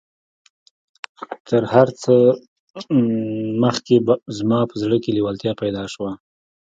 تر هر څه مخکې زما په زړه کې لېوالتيا پيدا شوه.